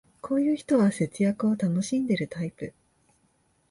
こういう人は節約を楽しんでるタイプ